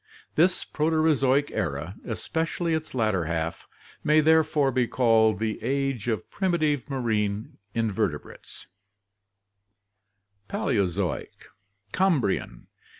This Proterozoic era, especially its latter half, may therefore be called the Age of Primi tive Marine Invertebrates. GEOLOGICAL DISTRIBUTION 91 Paleozoic Cambrian.